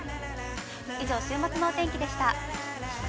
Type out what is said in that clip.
以上、週末のお天気でした。